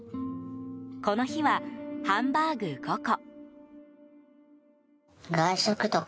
この日は、ハンバーグ５個。